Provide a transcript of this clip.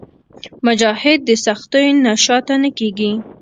مجاهد د سختیو نه شاته نه کېږي.